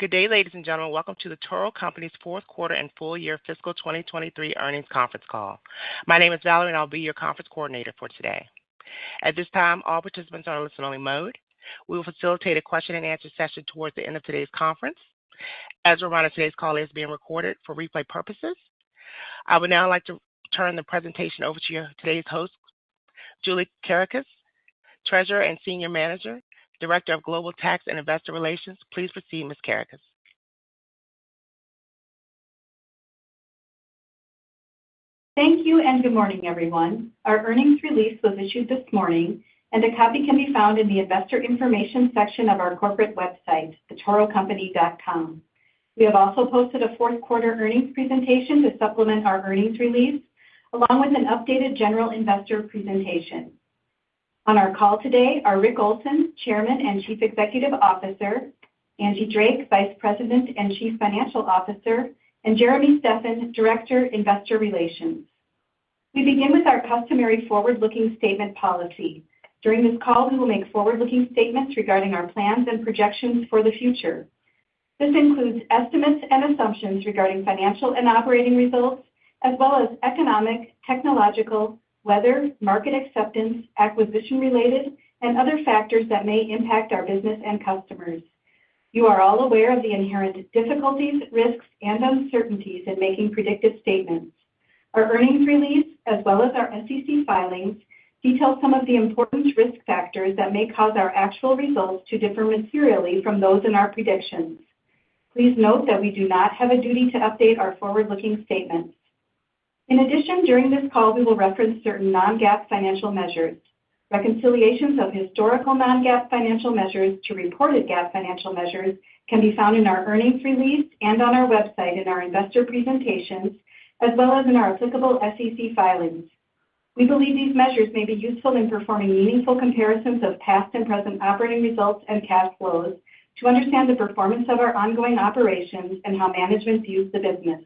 Good day, ladies and gentlemen. Welcome to The Toro Company's fourth quarter and full year fiscal 2023 earnings conference call. My name is Valerie, and I'll be your conference coordinator for today. At this time, all participants are in listen-only mode. We will facilitate a question-and-answer session towards the end of today's conference. As a reminder, today's call is being recorded for replay purposes. I would now like to turn the presentation over to today's host, Julie Kerekes, Treasurer and Senior Managing Director of Global Tax and Investor Relations. Please proceed, Ms. Kerekes. Thank you, and good morning, everyone. Our earnings release was issued this morning, and a copy can be found in the investor information section of our corporate website, thetorocompany.com. We have also posted a fourth quarter earnings presentation to supplement our earnings release, along with an updated general investor presentation. On our call today are Rick Olson, Chairman and Chief Executive Officer, Angie Drake, Vice President and Chief Financial Officer, and Jeremy Steffan, Director, Investor Relations. We begin with our customary forward-looking statement policy. During this call, we will make forward-looking statements regarding our plans and projections for the future. This includes estimates and assumptions regarding financial and operating results, as well as economic, technological, weather, market acceptance, acquisition-related, and other factors that may impact our business and customers. You are all aware of the inherent difficulties, risks, and uncertainties in making predictive statements. Our earnings release, as well as our SEC filings, detail some of the important risk factors that may cause our actual results to differ materially from those in our predictions. Please note that we do not have a duty to update our forward-looking statements. In addition, during this call, we will reference certain non-GAAP financial measures. Reconciliations of historical non-GAAP financial measures to reported GAAP financial measures can be found in our earnings release and on our website in our investor presentations, as well as in our applicable SEC filings. We believe these measures may be useful in performing meaningful comparisons of past and present operating results and cash flows to understand the performance of our ongoing operations and how management views the business.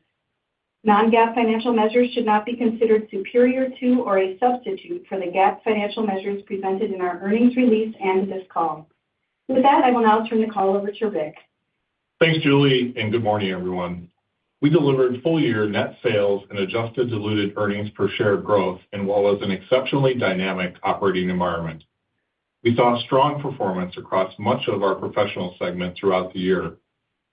Non-GAAP financial measures should not be considered superior to or a substitute for the GAAP financial measures presented in our earnings release and this call. With that, I will now turn the call over to Rick. Thanks, Julie, and good morning, everyone. We delivered full-year net sales and adjusted diluted earnings per share growth in what was an exceptionally dynamic operating environment. We saw strong performance across much of our professional segment throughout the year.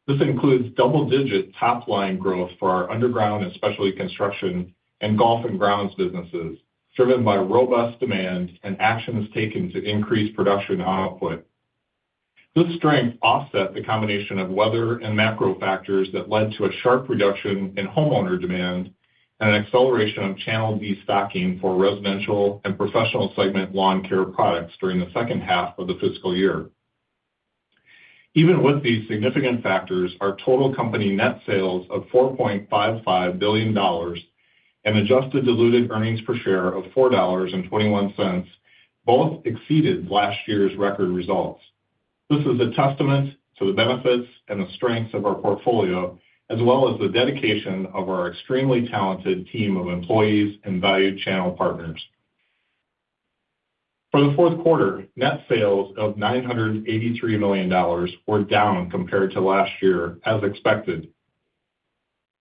This includes double-digit top-line growth for our underground and specialty construction and golf and grounds businesses, driven by robust demand and actions taken to increase production and output. This strength offset the combination of weather and macro factors that led to a sharp reduction in homeowner demand and an acceleration of channel destocking for residential and professional segment lawn care products during the second half of the fiscal year. Even with these significant factors, our total company net sales of $4.55 billion and adjusted diluted earnings per share of $4.21, both exceeded last year's record results. This is a testament to the benefits and the strengths of our portfolio, as well as the dedication of our extremely talented team of employees and valued channel partners. For the fourth quarter, net sales of $983 million were down compared to last year, as expected.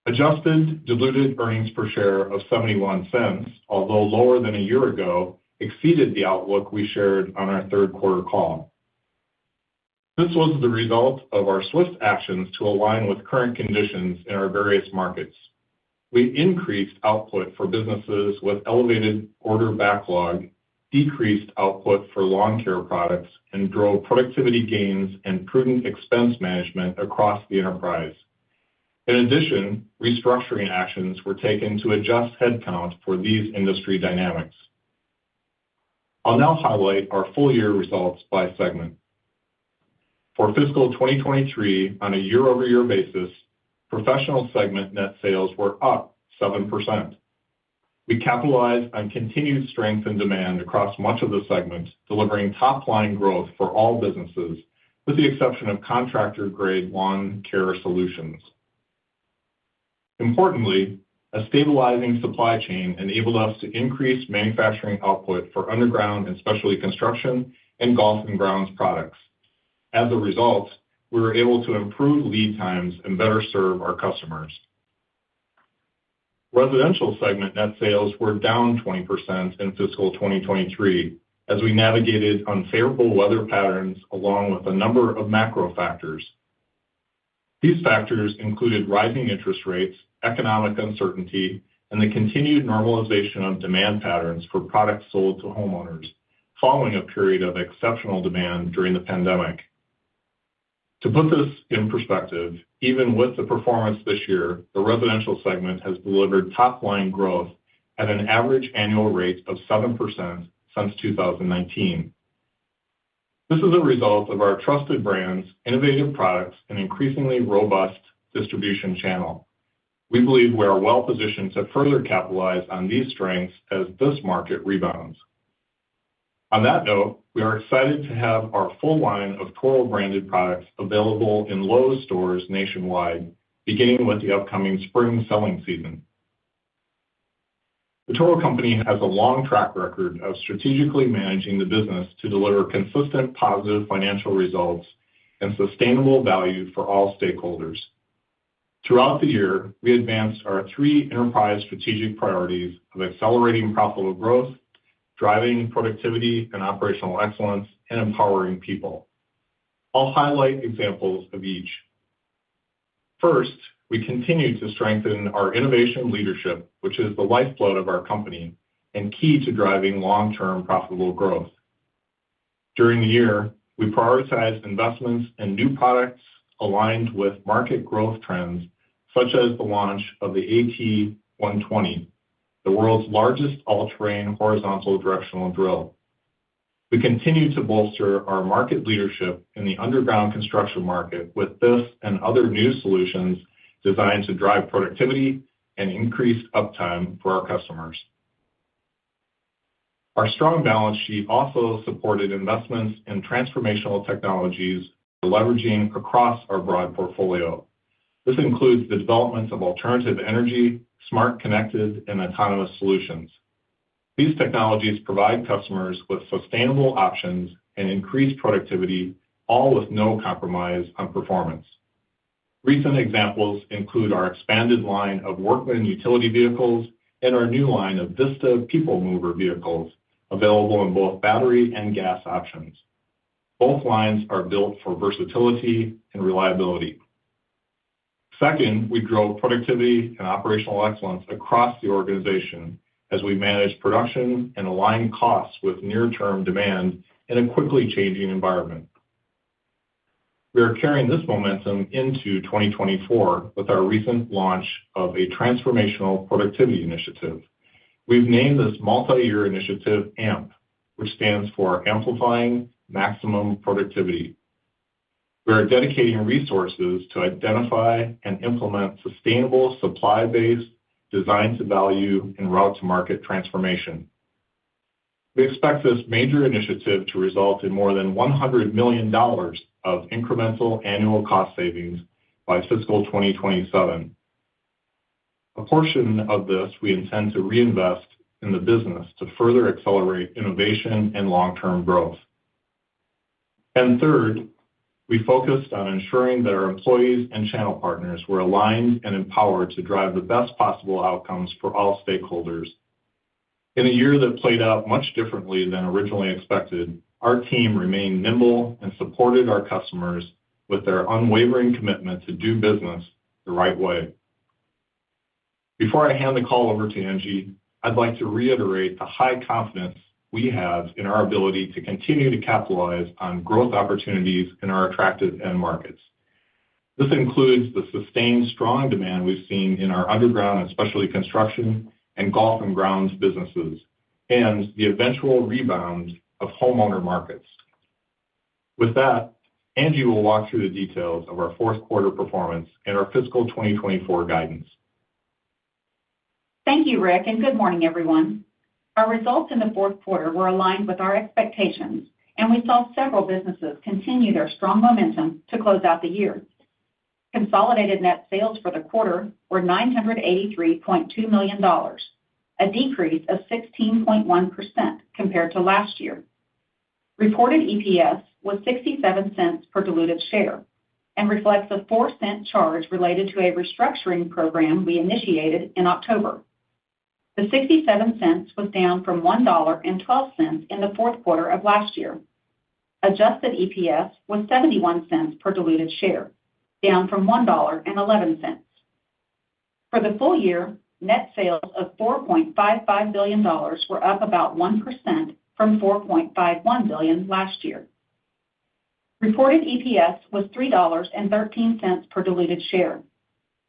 Adjusted diluted earnings per share of $0.71, although lower than a year ago, exceeded the outlook we shared on our third quarter call. This was the result of our swift actions to align with current conditions in our various markets. We increased output for businesses with elevated order backlog, decreased output for lawn care products, and drove productivity gains and prudent expense management across the enterprise. In addition, restructuring actions were taken to adjust headcount for these industry dynamics. I'll now highlight our full-year results by segment. For fiscal 2023 on a year-over-year basis, professional segment net sales were up 7%. We capitalized on continued strength and demand across much of the segment, delivering top-line growth for all businesses, with the exception of contractor-grade lawn care solutions. Importantly, a stabilizing supply chain enabled us to increase manufacturing output for underground and specialty construction in golf and grounds products. As a result, we were able to improve lead times and better serve our customers. Residential segment net sales were down 20% in fiscal 2023 as we navigated unfavorable weather patterns along with a number of macro factors. These factors included rising interest rates, economic uncertainty, and the continued normalization of demand patterns for products sold to homeowners, following a period of exceptional demand during the pandemic. To put this in perspective, even with the performance this year, the residential segment has delivered top-line growth at an average annual rate of 7% since 2019. This is a result of our trusted brands, innovative products, and increasingly robust distribution channel. We believe we are well-positioned to further capitalize on these strengths as this market rebounds. On that note, we are excited to have our full line of Toro branded products available in Lowe's stores nationwide, beginning with the upcoming spring selling season. The Toro Company has a long track record of strategically managing the business to deliver consistent, positive financial results and sustainable value for all stakeholders. Throughout the year, we advanced our three enterprise strategic priorities of accelerating profitable growth, driving productivity and operational excellence, and empowering people. I'll highlight examples of each. First, we continued to strengthen our innovation leadership, which is the lifeblood of our company and key to driving long-term profitable growth. During the year, we prioritized investments in new products aligned with market growth trends, such as the launch of the AT120, the world's largest all-terrain horizontal directional drill. We continue to bolster our market leadership in the underground construction market with this and other new solutions designed to drive productivity and increase uptime for our customers. Our strong balance sheet also supported investments in transformational technologies we're leveraging across our broad portfolio. This includes the developments of alternative energy, smart, connected, and autonomous solutions. These technologies provide customers with sustainable options and increased productivity, all with no compromise on performance. Recent examples include our expanded line of Workman utility vehicles and our new line of Vista people mover vehicles, available in both battery and gas options. Both lines are built for versatility and reliability. Second, we drove productivity and operational excellence across the organization as we managed production and aligned costs with near-term demand in a quickly changing environment. We are carrying this momentum into 2024 with our recent launch of a transformational productivity initiative. We've named this multi-year initiative AMP, which stands for Amplifying Maximum Productivity. We are dedicating resources to identify and implement sustainable supply base, design to value, and route to market transformation. We expect this major initiative to result in more than $100 million of incremental annual cost savings by fiscal 2027. A portion of this, we intend to reinvest in the business to further accelerate innovation and long-term growth. And third, we focused on ensuring that our employees and channel partners were aligned and empowered to drive the best possible outcomes for all stakeholders. In a year that played out much differently than originally expected, our team remained nimble and supported our customers with their unwavering commitment to do business the right way. Before I hand the call over to Angie, I'd like to reiterate the high confidence we have in our ability to continue to capitalize on growth opportunities in our attractive end markets. This includes the sustained strong demand we've seen in our underground and specialty construction and golf and grounds businesses, and the eventual rebound of homeowner markets. With that, Angie will walk through the details of our fourth quarter performance and our fiscal 2024 guidance. Thank you, Rick, and good morning, everyone. Our results in the fourth quarter were aligned with our expectations, and we saw several businesses continue their strong momentum to close out the year. Consolidated net sales for the quarter were $983.2 million, a decrease of 16.1% compared to last year. Reported EPS was $0.67 per diluted share and reflects a $0.04 charge related to a restructuring program we initiated in October. The $0.67 was down from $1.12 in the fourth quarter of last year. Adjusted EPS was $0.71 per diluted share, down from $1.11. For the full year, net sales of $4.5 billion were up about 1% from $4.51 billion last year. Reported EPS was $3.13 per diluted share.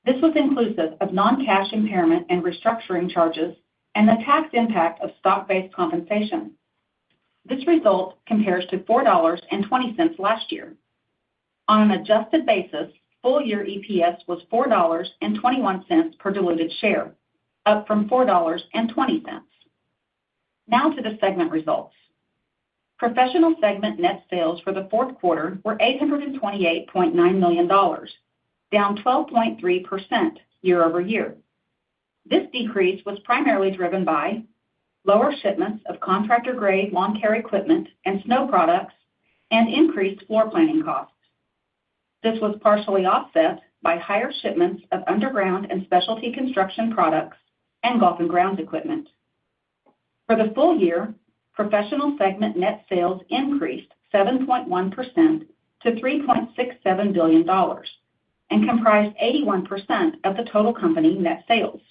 This was inclusive of non-cash impairment and restructuring charges and the tax impact of stock-based compensation. This result compares to $4.20 last year. On an adjusted basis, full year EPS was $4.21 per diluted share, up from $4.20. Now to the segment results. Professional segment net sales for the fourth quarter were $828.9 million, down 12.3% year-over-year. This decrease was primarily driven by lower shipments of contractor-grade lawn care equipment and snow products, and increased floor planning costs. This was partially offset by higher shipments of underground and specialty construction products and golf and grounds equipment. For the full year, professional segment net sales increased 7.1% to $3.67 billion and comprised 81% of the total company net sales.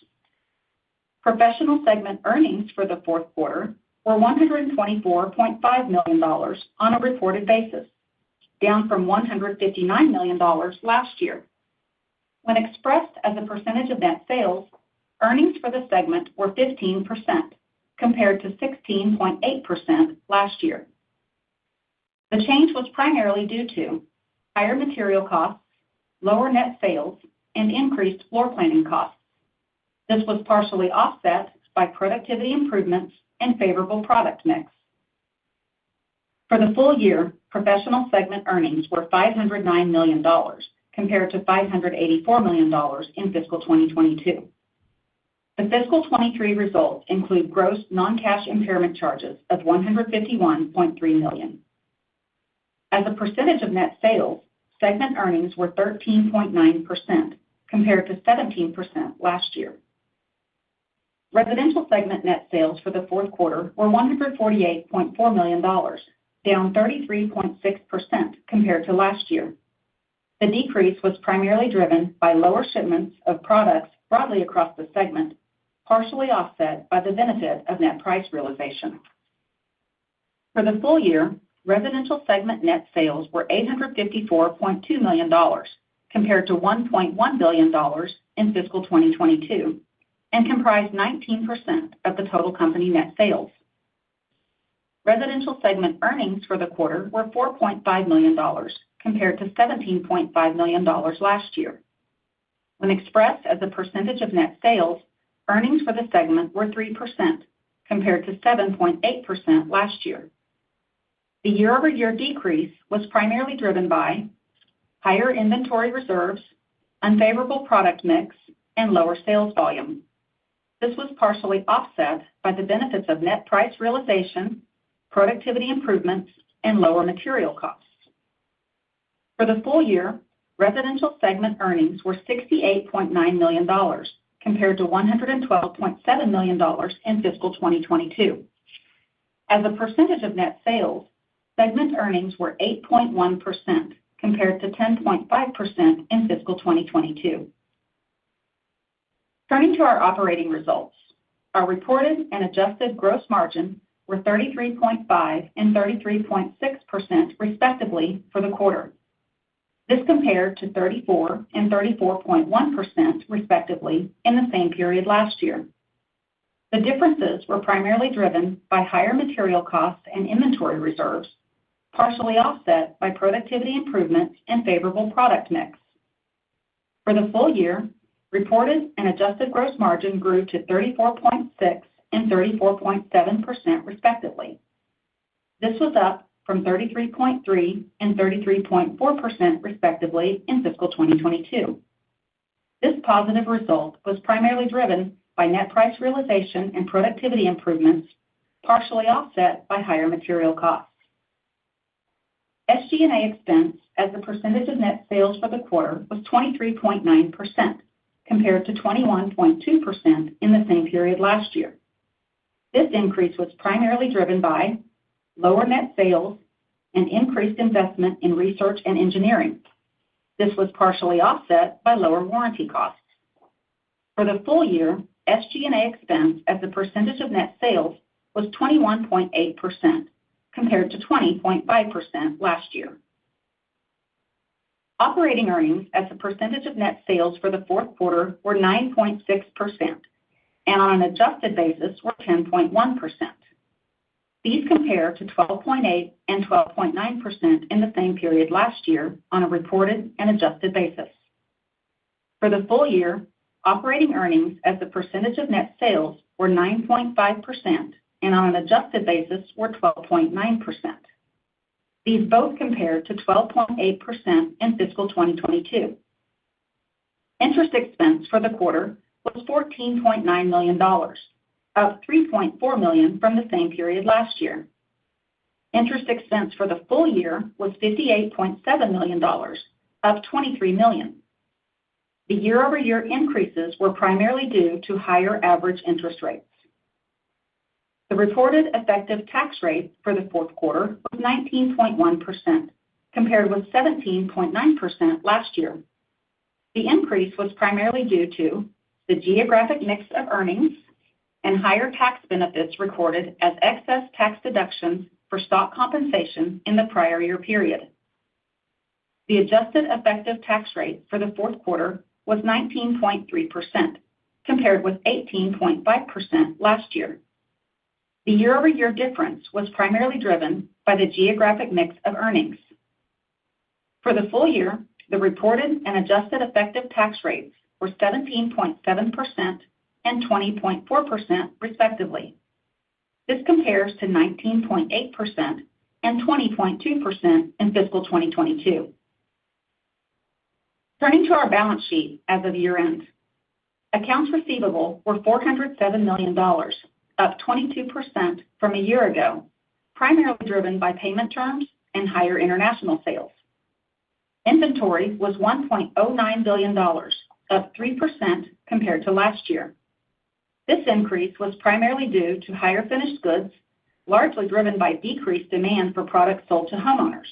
Professional segment earnings for the fourth quarter were $124.5 million on a reported basis, down from $159 million last year. When expressed as a percentage of net sales, earnings for the segment were 15%, compared to 16.8% last year. The change was primarily due to higher material costs, lower net sales, and increased floor planning costs. This was partially offset by productivity improvements and favorable product mix. For the full year, professional segment earnings were $509 million, compared to $584 million in fiscal 2022. The fiscal 2023 results include gross non-cash impairment charges of $151.3 million. As a percentage of net sales, segment earnings were 13.9%, compared to 17% last year. Residential segment net sales for the fourth quarter were $148.4 million, down 33.6% compared to last year. The decrease was primarily driven by lower shipments of products broadly across the segment, partially offset by the benefit of net price realization. For the full year, residential segment net sales were $854.2 million, compared to $1.1 billion in fiscal 2022, and comprised 19% of the total company net sales. Residential segment earnings for the quarter were $4.5 million, compared to $17.5 million last year. When expressed as a percentage of net sales, earnings for the segment were 3%, compared to 7.8% last year. The year-over-year decrease was primarily driven by higher inventory reserves, unfavorable product mix, and lower sales volume. This was partially offset by the benefits of net price realization, productivity improvements, and lower material costs. For the full year, residential segment earnings were $68.9 million, compared to $112.7 million in fiscal 2022. As a percentage of net sales, segment earnings were 8.1%, compared to 10.5% in fiscal 2022. Turning to our operating results. Our reported and adjusted gross margin were 33.5% and 33.6%, respectively, for the quarter. This compared to 34% and 34.1%, respectively, in the same period last year. The differences were primarily driven by higher material costs and inventory reserves, partially offset by productivity improvements and favorable product mix. For the full year, reported and adjusted gross margin grew to 34.6% and 34.7%, respectively. This was up from 33.3% and 33.4%, respectively, in fiscal 2022. This positive result was primarily driven by net price realization and productivity improvements, partially offset by higher material costs. SG&A expense as a percentage of net sales for the quarter was 23.9%, compared to 21.2% in the same period last year. This increase was primarily driven by lower net sales and increased investment in research and engineering. This was partially offset by lower warranty costs. For the full year, SG&A expense as a percentage of net sales was 21.8%, compared to 20.5% last year. Operating earnings as a percentage of net sales for the fourth quarter were 9.6%, and on an adjusted basis were 10.1%. These compare to 12.8% and 12.9% in the same period last year on a reported and adjusted basis. For the full year, operating earnings as a percentage of net sales were 9.5%, and on an adjusted basis were 12.9%. These both compared to 12.8% in fiscal 2022. Interest expense for the quarter was $14.9 million, up $3.4 million from the same period last year. Interest expense for the full year was $58.7 million, up $23 million. The year-over-year increases were primarily due to higher average interest rates. The reported effective tax rate for the fourth quarter was 19.1%, compared with 17.9% last year. The increase was primarily due to the geographic mix of earnings and higher tax benefits recorded as excess tax deductions for stock compensation in the prior year period. The adjusted effective tax rate for the fourth quarter was 19.3%, compared with 18.5% last year. The year-over-year difference was primarily driven by the geographic mix of earnings. For the full year, the reported and adjusted effective tax rates were 17.7% and 20.4%, respectively. This compares to 19.8% and 20.2% in fiscal 2022. Turning to our balance sheet as of year-end. Accounts receivable were $407 million, up 22% from a year ago, primarily driven by payment terms and higher international sales. Inventory was $1.09 billion, up 3% compared to last year. This increase was primarily due to higher finished goods, largely driven by decreased demand for products sold to homeowners.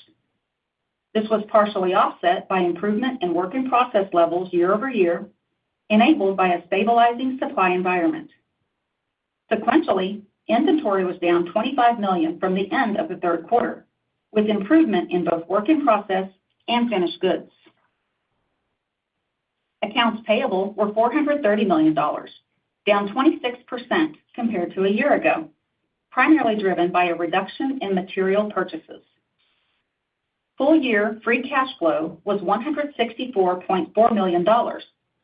This was partially offset by improvement in work in process levels year-over-year, enabled by a stabilizing supply environment. Sequentially, inventory was down $25 million from the end of the third quarter, with improvement in both work in process and finished goods. Accounts payable were $430 million, down 26% compared to a year ago, primarily driven by a reduction in material purchases. Full year free cash flow was $164.4 million,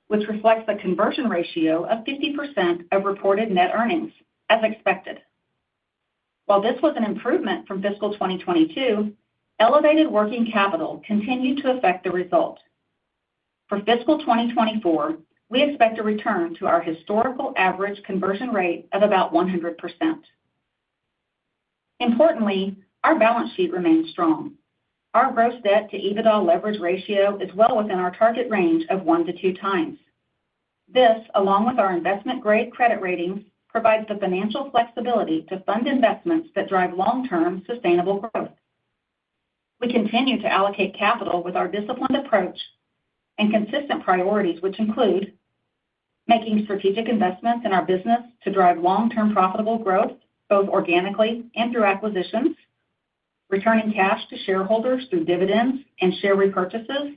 which reflects a conversion ratio of 50% of reported net earnings, as expected. While this was an improvement from fiscal 2022, elevated working capital continued to affect the result. For fiscal 2024, we expect a return to our historical average conversion rate of about 100%. Importantly, our balance sheet remains strong. Our gross debt to EBITDA leverage ratio is well within our target range of 1x-2x. This, along with our investment-grade credit rating, provides the financial flexibility to fund investments that drive long-term sustainable growth. We continue to allocate capital with our disciplined approach and consistent priorities, which include making strategic investments in our business to drive long-term profitable growth, both organically and through acquisitions, returning cash to shareholders through dividends and share repurchases,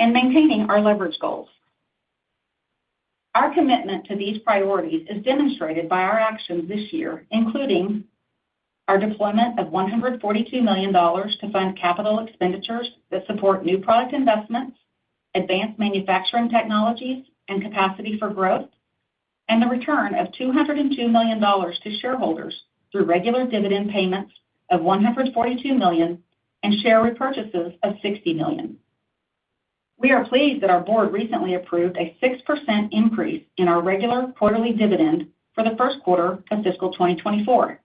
and maintaining our leverage goals. Our commitment to these priorities is demonstrated by our actions this year, including our deployment of $142 million to fund capital expenditures that support new product investments, advanced manufacturing technologies, and capacity for growth, and the return of $202 million to shareholders through regular dividend payments of $142 million, and share repurchases of $60 million. We are pleased that our board recently approved a 6% increase in our regular quarterly dividend for the first quarter of fiscal 2024.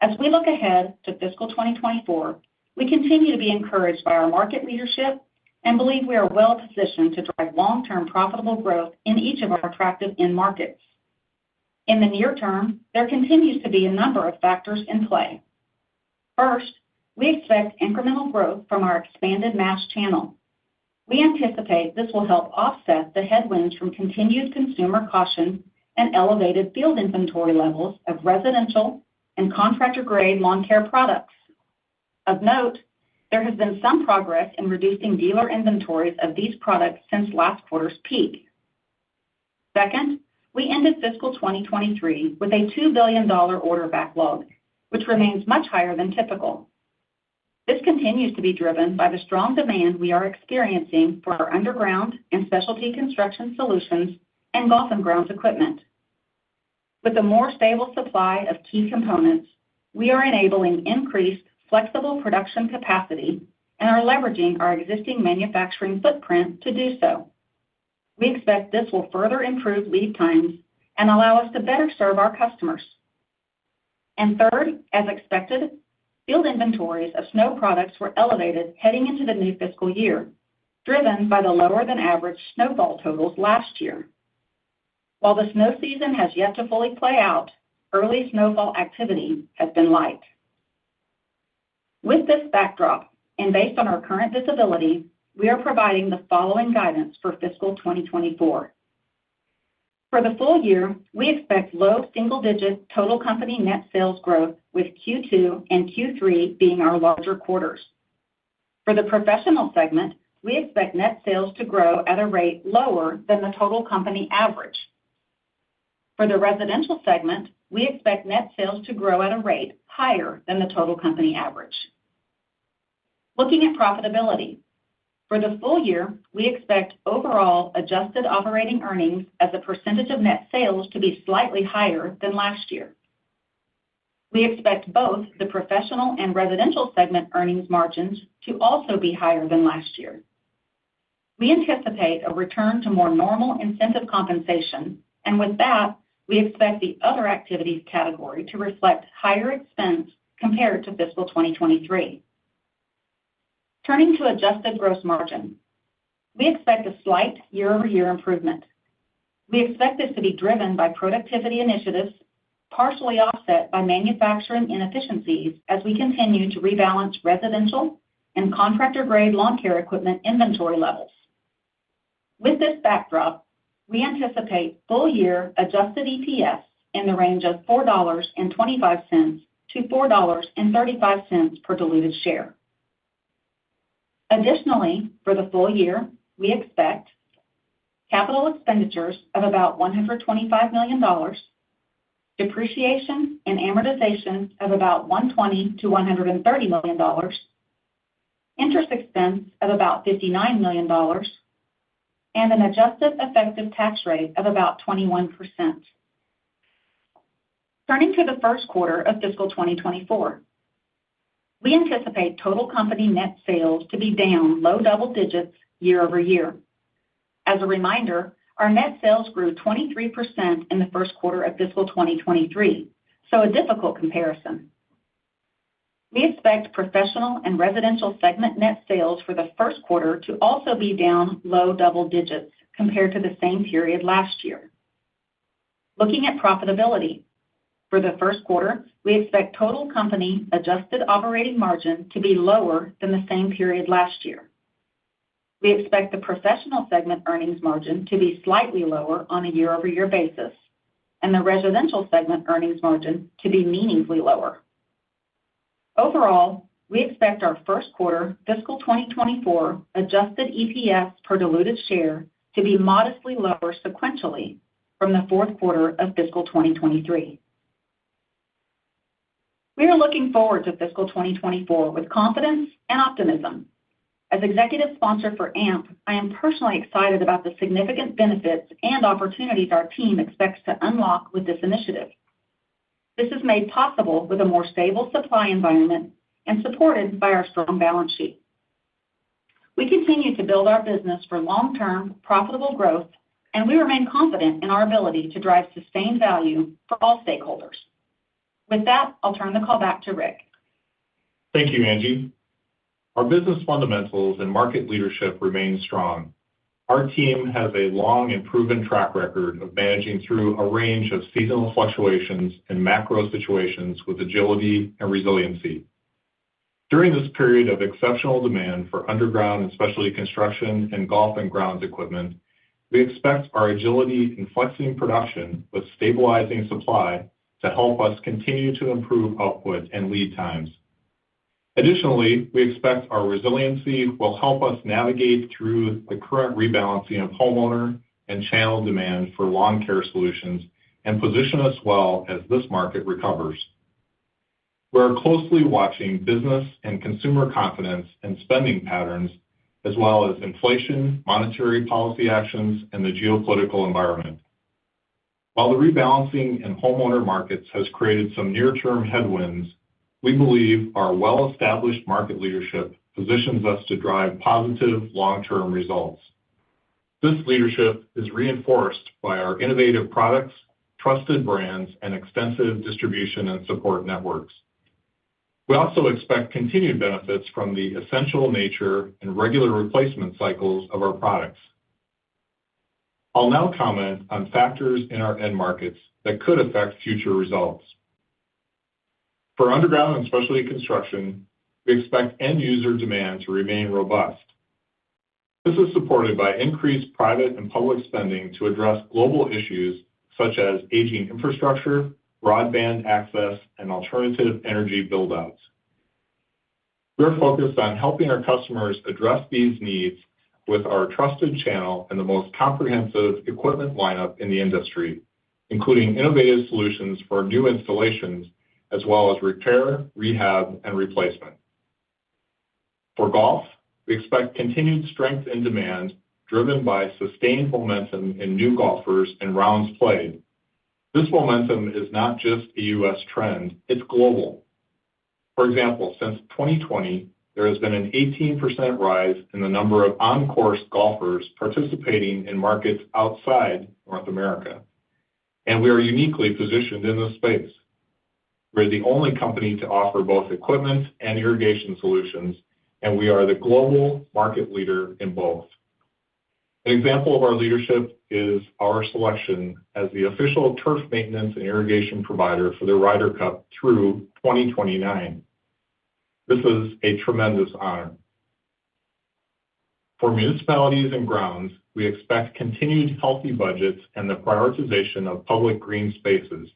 As we look ahead to fiscal 2024, we continue to be encouraged by our market leadership and believe we are well positioned to drive long-term profitable growth in each of our attractive end markets. In the near term, there continues to be a number of factors in play. First, we expect incremental growth from our expanded mass channel. We anticipate this will help offset the headwinds from continued consumer caution and elevated field inventory levels of residential and contractor-grade lawn care products. Of note, there has been some progress in reducing dealer inventories of these products since last quarter's peak. Second, we ended fiscal 2023 with a $2 billion order backlog, which remains much higher than typical. This continues to be driven by the strong demand we are experiencing for our underground and specialty construction solutions and golf and grounds equipment. With a more stable supply of key components, we are enabling increased flexible production capacity and are leveraging our existing manufacturing footprint to do so. We expect this will further improve lead times and allow us to better serve our customers. Third, as expected, field inventories of snow products were elevated heading into the new fiscal year, driven by the lower-than-average snowfall totals last year. While the snow season has yet to fully play out, early snowfall activity has been light. With this backdrop, and based on our current visibility, we are providing the following guidance for fiscal 2024. For the full year, we expect low single-digit total company net sales growth, with Q2 and Q3 being our larger quarters. For the Professional segment, we expect net sales to grow at a rate lower than the total company average. For the Residential segment, we expect net sales to grow at a rate higher than the total company average. Looking at profitability, for the full year, we expect overall adjusted operating earnings as a percentage of net sales to be slightly higher than last year. We expect both the Professional and Residential segment earnings margins to also be higher than last year. We anticipate a return to more normal incentive compensation, and with that, we expect the other activities category to reflect higher expense compared to fiscal 2023. Turning to adjusted gross margin. We expect a slight year-over-year improvement. We expect this to be driven by productivity initiatives, partially offset by manufacturing inefficiencies as we continue to rebalance residential and contractor-grade lawn care equipment inventory levels. With this backdrop, we anticipate full-year adjusted EPS in the range of $4.25-$4.35 per diluted share. Additionally, for the full year, we expect capital expenditures of about $125 million, depreciation and amortization of about $120 million-$130 million, interest expense of about $59 million, and an adjusted effective tax rate of about 21%. Turning to the first quarter of fiscal 2024. We anticipate total company net sales to be down low double digits year-over-year. As a reminder, our net sales grew 23% in the first quarter of fiscal 2023, so a difficult comparison. We expect Professional and Residential segment net sales for the first quarter to also be down low double digits compared to the same period last year. Looking at profitability. For the first quarter, we expect total company-adjusted operating margin to be lower than the same period last year. We expect the Professional segment earnings margin to be slightly lower on a year-over-year basis, and the Residential segment earnings margin to be meaningfully lower. Overall, we expect our first quarter fiscal 2024 adjusted EPS per diluted share to be modestly lower sequentially from the fourth quarter of fiscal 2023. We are looking forward to fiscal 2024 with confidence and optimism. As executive sponsor for AMP, I am personally excited about the significant benefits and opportunities our team expects to unlock with this initiative. This is made possible with a more stable supply environment and supported by our strong balance sheet. We continue to build our business for long-term, profitable growth, and we remain confident in our ability to drive sustained value for all stakeholders. With that, I'll turn the call back to Rick. Thank you, Angie. Our business fundamentals and market leadership remain strong. Our team has a long and proven track record of managing through a range of seasonal fluctuations and macro situations with agility and resiliency. During this period of exceptional demand for underground and specialty construction and golf and grounds equipment, we expect our agility in flexing production with stabilizing supply to help us continue to improve output and lead times. Additionally, we expect our resiliency will help us navigate through the current rebalancing of homeowner and channel demand for lawn care solutions and position us well as this market recovers. We are closely watching business and consumer confidence and spending patterns, as well as inflation, monetary policy actions, and the geopolitical environment. While the rebalancing in homeowner markets has created some near-term headwinds, we believe our well-established market leadership positions us to drive positive long-term results. This leadership is reinforced by our innovative products, trusted brands, and extensive distribution and support networks. We also expect continued benefits from the essential nature and regular replacement cycles of our products. I'll now comment on factors in our end markets that could affect future results. For underground and specialty construction, we expect end-user demand to remain robust. This is supported by increased private and public spending to address global issues such as aging infrastructure, broadband access, and alternative energy build-outs. We are focused on helping our customers address these needs with our trusted channel and the most comprehensive equipment lineup in the industry, including innovative solutions for new installations, as well as repair, rehab, and replacement. For golf, we expect continued strength in demand, driven by sustained momentum in new golfers and rounds played. This momentum is not just a U.S. trend, it's global. For example, since 2020, there has been an 18% rise in the number of on-course golfers participating in markets outside North America, and we are uniquely positioned in this space. We're the only company to offer both equipment and irrigation solutions, and we are the global market leader in both. An example of our leadership is our selection as the official turf maintenance and irrigation provider for the Ryder Cup through 2029. This is a tremendous honor. For municipalities and grounds, we expect continued healthy budgets and the prioritization of public green spaces.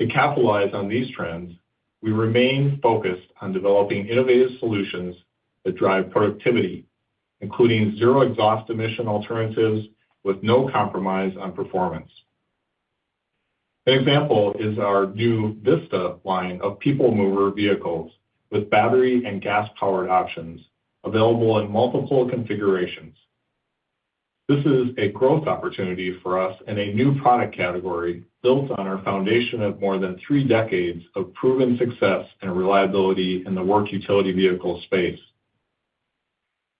To capitalize on these trends, we remain focused on developing innovative solutions that drive productivity, including zero exhaust emission alternatives with no compromise on performance. An example is our new Vista line of people mover vehicles with battery and gas-powered options available in multiple configurations. This is a growth opportunity for us in a new product category built on our foundation of more than three decades of proven success and reliability in the work utility vehicle space.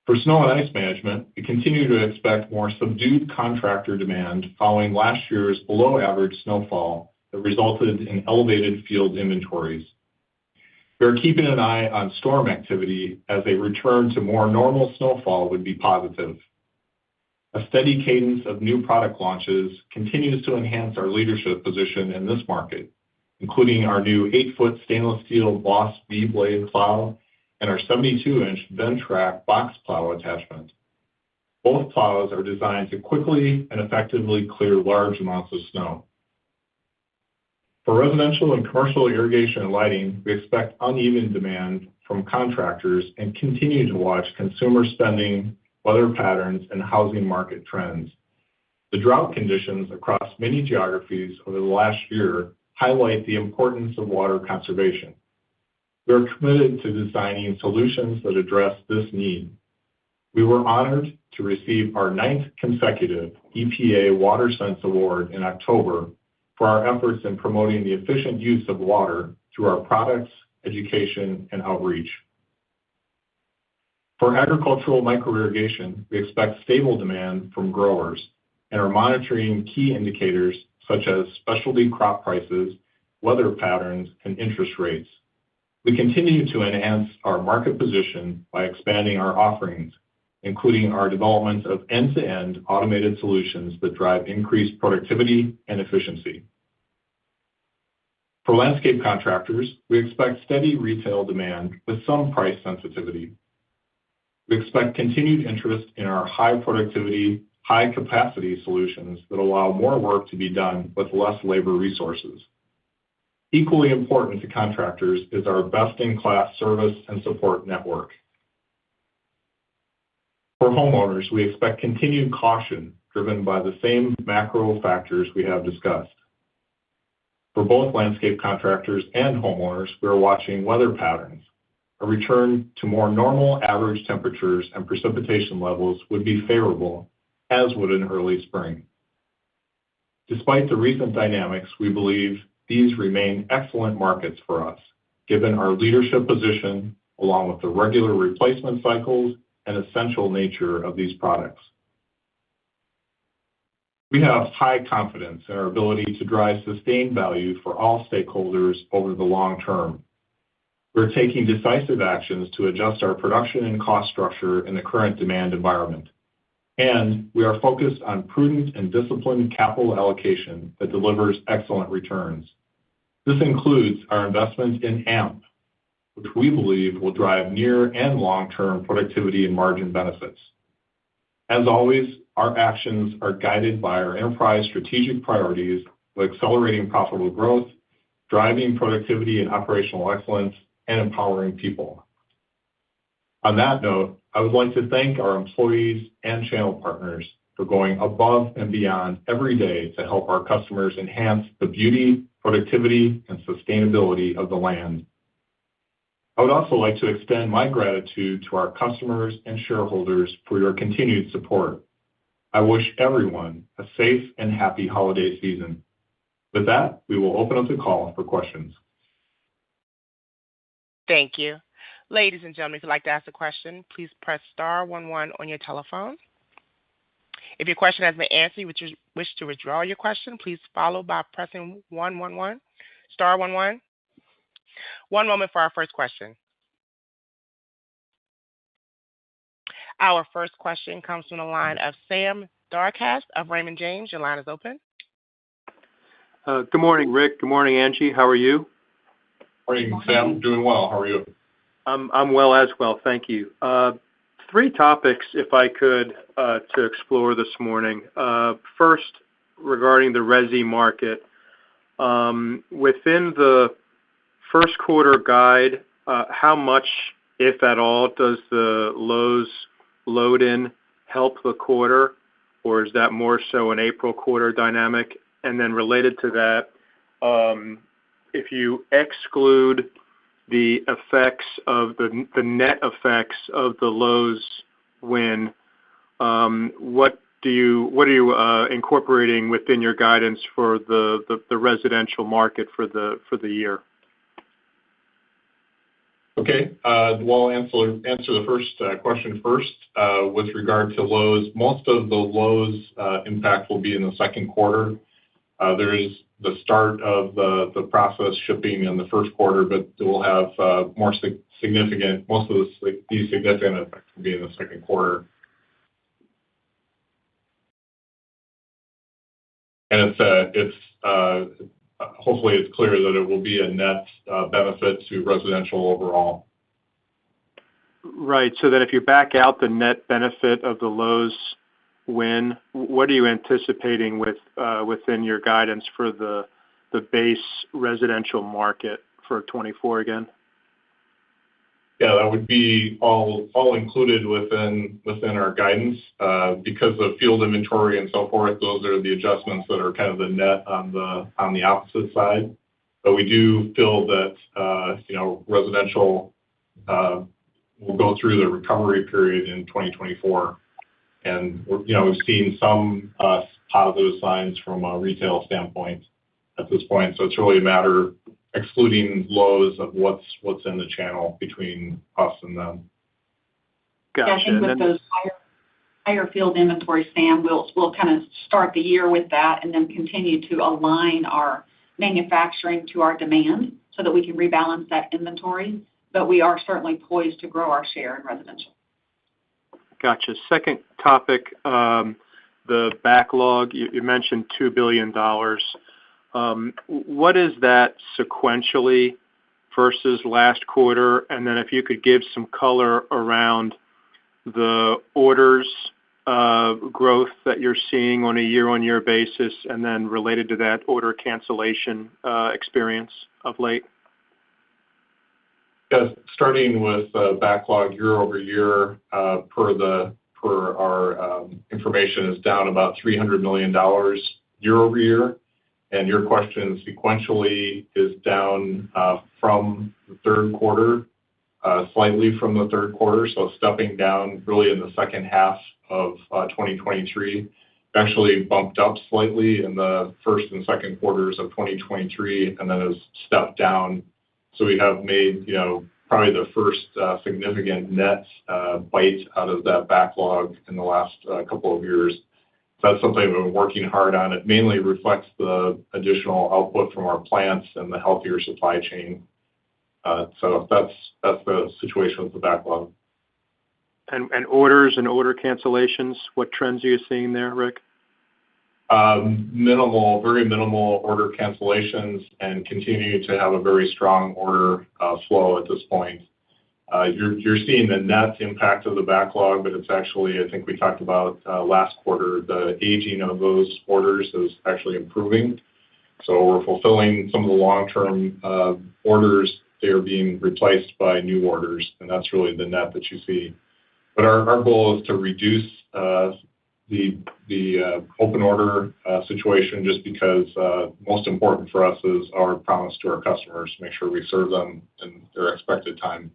For snow and ice management, we continue to expect more subdued contractor demand following last year's below-average snowfall that resulted in elevated field inventories. We are keeping an eye on storm activity as a return to more normal snowfall would be positive. A steady cadence of new product launches continues to enhance our leadership position in this market, including our new 8 ft stainless steel BOSS V-blade plow and our 72-inch Ventrac box plow attachment. Both plows are designed to quickly and effectively clear large amounts of snow. For residential and commercial irrigation and lighting, we expect uneven demand from contractors and continue to watch consumer spending, weather patterns, and housing market trends. The drought conditions across many geographies over the last year highlight the importance of water conservation. We are committed to designing solutions that address this need. We were honored to receive our ninth consecutive EPA WaterSense award in October for our efforts in promoting the efficient use of water through our products, education, and outreach. For agricultural micro irrigation, we expect stable demand from growers and are monitoring key indicators such as specialty crop prices, weather patterns, and interest rates. We continue to enhance our market position by expanding our offerings, including our development of end-to-end automated solutions that drive increased productivity and efficiency. For landscape contractors, we expect steady retail demand with some price sensitivity. We expect continued interest in our high-productivity, high-capacity solutions that allow more work to be done with less labor resources. Equally important to contractors is our best-in-class service and support network. For homeowners, we expect continued caution driven by the same macro factors we have discussed. For both landscape contractors and homeowners, we are watching weather patterns. A return to more normal average temperatures and precipitation levels would be favorable, as would an early spring. Despite the recent dynamics, we believe these remain excellent markets for us, given our leadership position, along with the regular replacement cycles and essential nature of these products. We have high confidence in our ability to drive sustained value for all stakeholders over the long term. We're taking decisive actions to adjust our production and cost structure in the current demand environment, and we are focused on prudent and disciplined capital allocation that delivers excellent returns. This includes our investment in AMP, which we believe will drive near and long-term productivity and margin benefits. As always, our actions are guided by our enterprise strategic priorities, like accelerating profitable growth, driving productivity and operational excellence, and empowering people. On that note, I would like to thank our employees and channel partners for going above and beyond every day to help our customers enhance the beauty, productivity, and sustainability of the land. I would also like to extend my gratitude to our customers and shareholders for your continued support. I wish everyone a safe and happy holiday season. With that, we will open up the call for questions. Thank you. Ladies and gentlemen, if you'd like to ask a question, please press star one one on your telephone. If your question has been answered, would you wish to withdraw your question, please follow by pressing one one one, star one one. One moment for our first question. Our first question comes from the line of Sam Darkatsh of Raymond James. Your line is open. Good morning, Rick. Good morning, Angie. How are you? Morning, Sam. Doing well. How are you? I'm well as well, thank you. Three topics, if I could, to explore this morning. First, regarding the residential market, within the first quarter guide, how much, if at all, does the Lowe's load in help the quarter, or is that more so an April quarter dynamic? And then related to that, if you exclude the effects of the net effects of the Lowe's win, what do you—what are you incorporating within your guidance for the residential market for the year? Okay. Well, I'll answer the first question first. With regard to Lowe's, most of the Lowe's impact will be in the second quarter. There is the start of the process shipping in the first quarter, but it will have more significant, most of the significant effects will be in the second quarter. And it's hopefully clear that it will be a net benefit to residential overall. Right. So then if you back out the net benefit of the Lowe's win, what are you anticipating within your guidance for the base residential market for 2024 again? Yeah, that would be all included within our guidance, because of field inventory and so forth, those are the adjustments that are kind of the net on the opposite side. But we do feel that, you know, residential will go through the recovery period in 2024. And, you know, we've seen some positive signs from a retail standpoint at this point, so it's really a matter excluding Lowe's of what's in the channel between us and them. Gotcha. Yeah, I think with those higher field inventory, Sam, we'll kind of start the year with that and then continue to align our manufacturing to our demand, so that we can rebalance that inventory. But we are certainly poised to grow our share in residential. Got you. Second topic, the backlog. You mentioned $2 billion. What is that sequentially versus last quarter? Then if you could give some color around the orders growth that you're seeing on a year-on-year basis, and then related to that, order cancellation experience of late. Yes. Starting with backlog year-over-year, per our information, is down about $300 million year-over-year. And your question sequentially is down from the third quarter, slightly from the third quarter. So stepping down really in the second half of 2023. Actually bumped up slightly in the first and second quarters of 2023, and then has stepped down. So we have made, you know, probably the first significant net bite out of that backlog in the last couple of years. That's something we've been working hard on. It mainly reflects the additional output from our plants and the healthier supply chain. So that's the situation with the backlog. Orders and order cancellations, what trends are you seeing there, Rick? Minimal, very minimal order cancellations and continue to have a very strong order flow at this point. You're seeing the net impact of the backlog, but it's actually, I think we talked about last quarter, the aging of those orders is actually improving. So we're fulfilling some of the long-term orders. They are being replaced by new orders, and that's really the net that you see. But our goal is to reduce the open order situation just because most important for us is our promise to our customers to make sure we serve them in their expected time,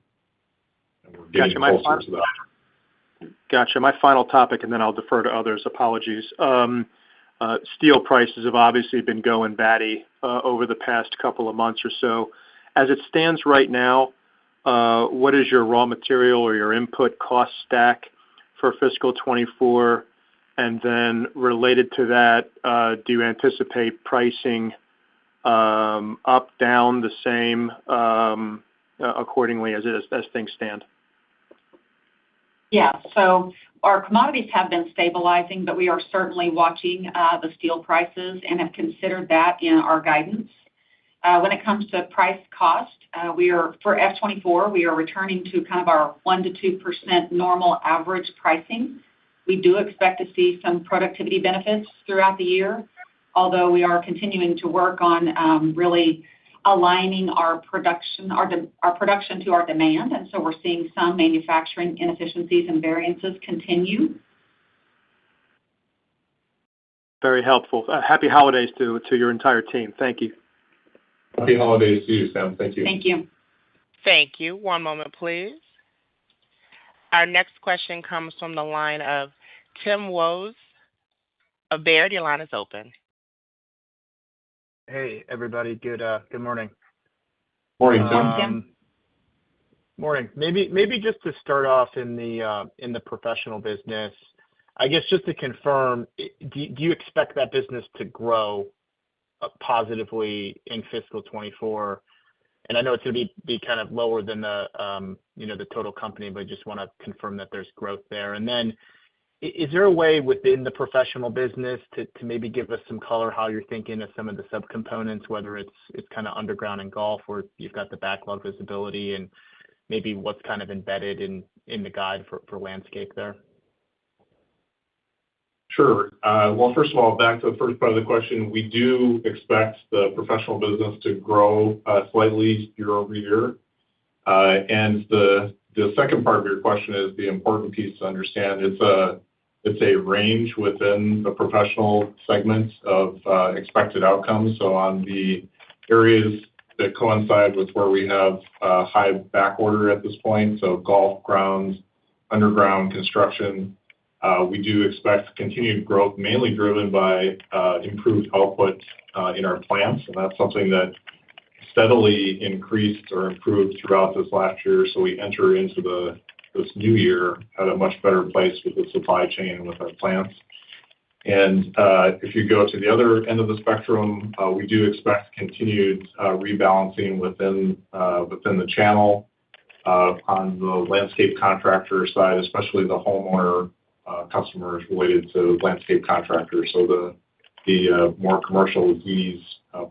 and we're getting closer to that. Got you. My final topic, and then I'll defer to others. Apologies. Steel prices have obviously been going batty over the past couple of months or so. As it stands right now, what is your raw material or your input cost stack for fiscal 2024? And then related to that, do you anticipate pricing up, down, the same, accordingly as it is, as things stand? Yeah. So our commodities have been stabilizing, but we are certainly watching the steel prices and have considered that in our guidance. When it comes to price cost, we are for FY2024 returning to kind of our 1%-2% normal average pricing. We do expect to see some productivity benefits throughout the year, although we are continuing to work on really aligning our production to our demand, and so we're seeing some manufacturing inefficiencies and variances continue. Very helpful. Happy holidays to your entire team. Thank you. Happy holidays to you, Sam. Thank you. Thank you. Thank you. One moment, please. Our next question comes from the line of Tim Wojs of Baird. Your line is open. Hey, everybody. Good morning. Morning. Hi, Tim. Morning. Maybe just to start off in the professional business, I guess, just to confirm, do you expect that business to grow positively in fiscal 2024? And I know it's going to be kind of lower than the, you know, the total company, but just want to confirm that there's growth there. And then is there a way within the professional business to maybe give us some color how you're thinking of some of the subcomponents, whether it's kind of underground in golf, or you've got the backlog visibility and maybe what's kind of embedded in the guide for landscape there? Sure. Well, first of all, back to the first part of the question, we do expect the professional business to grow slightly year-over-year. The second part of your question is the important piece to understand. It's a range within the professional segment of expected outcomes. So on the areas that coincide with where we have high backorder at this point, so golf, grounds, underground construction, we do expect continued growth, mainly driven by improved output in our plants, and that's something that steadily increased or improved throughout this last year. So we enter into this new year at a much better place with the supply chain, with our plants. If you go to the other end of the spectrum, we do expect continued rebalancing within the channel on the landscape contractor side, especially the homeowner customers related to landscape contractors. So the more commercial LCE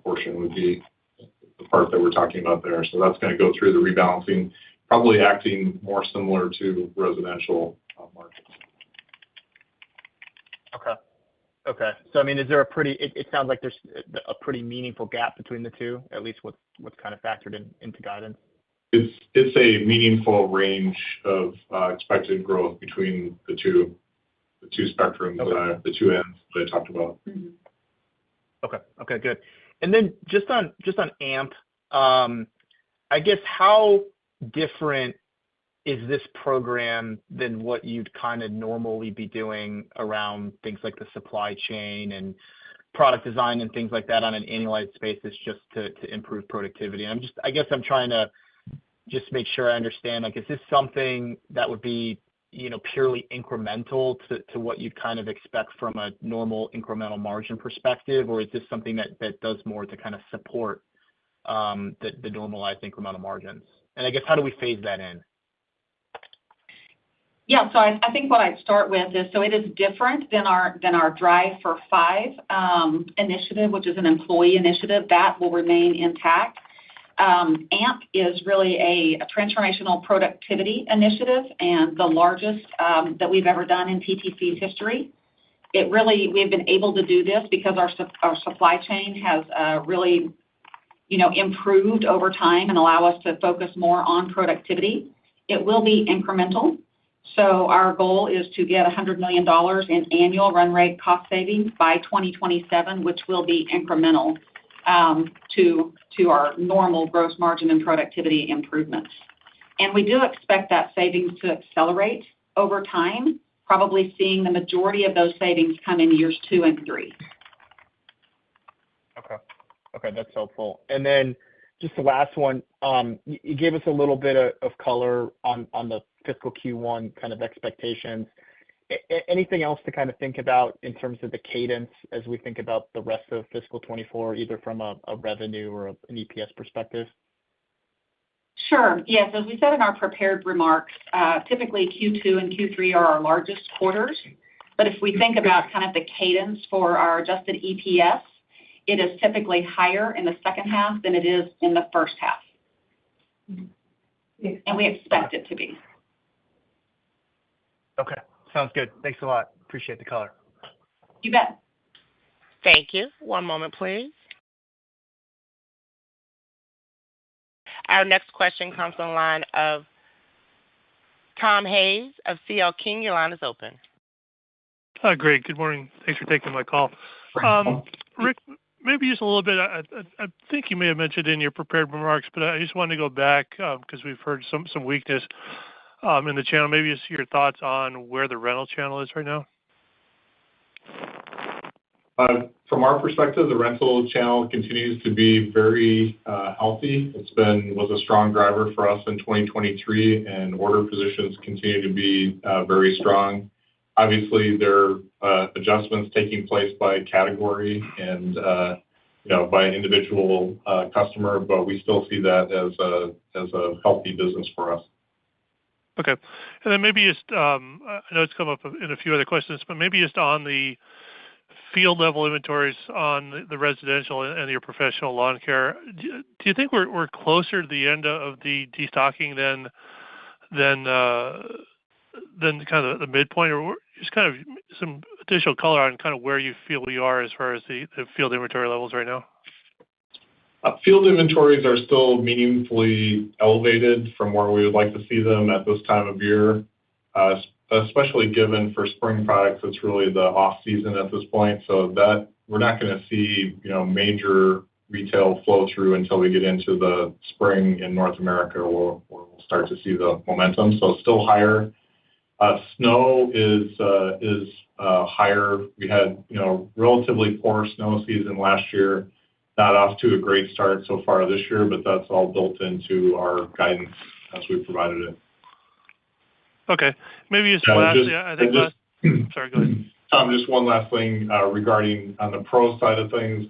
portion would be the part that we're talking about there. So that's gonna go through the rebalancing, probably acting more similar to residential markets. Okay. So, I mean, is there a pretty—it sounds like there's a pretty meaningful gap between the two, at least what's kind of factored into guidance. It's a meaningful range of expected growth between the two spectrums- Okay. the two ends that I talked about. Okay. Okay, good. And then just on, just on AMP, I guess, how different is this program than what you'd kind of normally be doing around things like the supply chain and product design and things like that on an annualized basis, just to improve productivity? I'm just, I guess, I'm trying to just make sure I understand, like, is this something that would be, you know, purely incremental to, to what you'd kind of expect from a normal incremental margin perspective, or is this something that does more to kind of support the normalized incremental margins? I guess, how do we phase that in? Yeah. So I, I think what I'd start with is, so it is different than our, than our Drive for 5 initiative, which is an employee initiative that will remain intact. AMP is really a transformational productivity initiative and the largest that we've ever done in TTC's history. It really, we've been able to do this because our supply chain has really, you know, improved over time and allow us to focus more on productivity. It will be incremental, so our goal is to get $100 million in annual run rate cost savings by 2027, which will be incremental to our normal gross margin and productivity improvements. We do expect that savings to accelerate over time, probably seeing the majority of those savings come in years two and three. Okay. Okay, that's helpful. Then just the last one, you gave us a little bit of color on the fiscal Q1 kind of expectations. Anything else to kind of think about in terms of the cadence as we think about the rest of fiscal 2024, either from a revenue or an EPS perspective? Sure. Yes. As we said in our prepared remarks, typically Q2 and Q3 are our largest quarters. But if we think about kind of the cadence for our adjusted EPS, it is typically higher in the second half than it is in the first half. We expect it to be. Sounds good. Thanks a lot. Appreciate the call. You bet. Thank you. One moment, please. Our next question comes from the line of Tom Hayes of CL King. Your line is open. Hi, great. Good morning. Thanks for taking my call. Rick, maybe just a little bit, I think you may have mentioned in your prepared remarks, but I just wanted to go back, because we've heard some weakness in the channel. Maybe just your thoughts on where the rental channel is right now. From our perspective, the rental channel continues to be very healthy. It's been, was a strong driver for us in 2023, and order positions continue to be very strong. Obviously, there are adjustments taking place by category and, you know, by individual customer, but we still see that as a, as a healthy business for us. Okay. And then maybe just, I know it's come up in a few other questions, but maybe just on the field level inventories on the residential and your professional lawn care, do you think we're closer to the end of the destocking than kind of the midpoint? Or just kind of some additional color on kind of where you feel we are as far as the field inventory levels right now. Field inventories are still meaningfully elevated from where we would like to see them at this time of year, especially given for spring products. It's really the off-season at this point, so that we're not gonna see, you know, major retail flow through until we get into the spring in North America, where we'll start to see the momentum. So still higher. Snow is higher. We had, you know, relatively poor snow season last year. Not off to a great start so far this year, but that's all built into our guidance as we provided it. Okay. Maybe just lastly, I think last. And just. Sorry, go ahead. Tom, just one last thing, regarding on the pro side of things.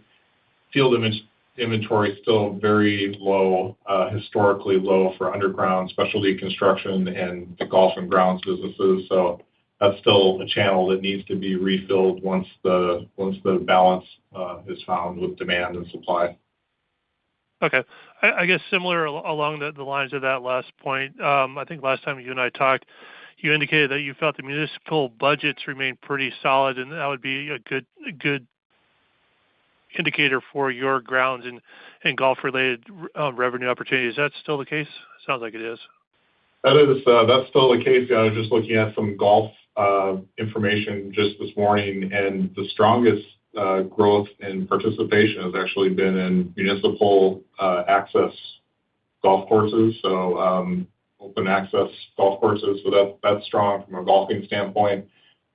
Field inventory is still very low, historically low for underground specialty construction and the golf and grounds businesses. So that's still a channel that needs to be refilled once the, once the balance, is found with demand and supply. Okay. I guess similar along the lines of that last point, I think last time you and I talked, you indicated that you felt the municipal budgets remained pretty solid, and that would be a good indicator for your grounds and golf-related revenue opportunity. Is that still the case? Sounds like it is. That is, that's still the case. I was just looking at some golf information just this morning, and the strongest growth in participation has actually been in municipal access golf courses. So, open access golf courses. So that's, that's strong from a golfing standpoint.